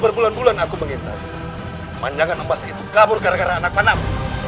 selama bulan aku mengintai manjangan ambas itu kabur karena anak panam